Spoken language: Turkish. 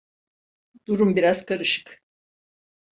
Durum biraz karışık.